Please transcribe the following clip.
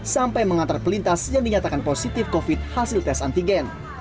sampai mengantar pelintas yang dinyatakan positif covid hasil tes antigen